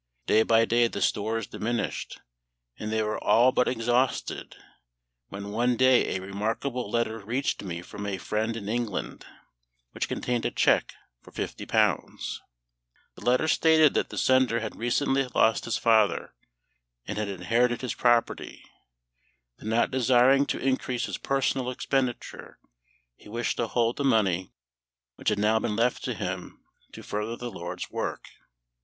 Day by day the stores diminished, and they were all but exhausted when one day a remarkable letter reached me from a friend in England which contained a cheque for £50. The letter stated that the sender had recently lost his father, and had inherited his property; that not desiring to increase his personal expenditure, he wished to hold the money which had now been left to him to further the LORD'S work.